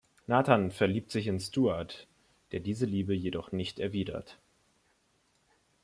Nathan verliebt sich in Stuart, der diese Liebe jedoch nicht erwidert.